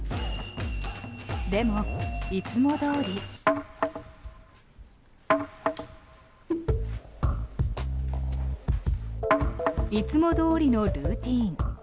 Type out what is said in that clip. でも、いつもどおり。いつもどおりのルーティン。